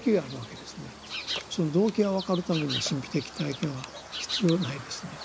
その動機が分かるためには神秘的体験は必要ないですね。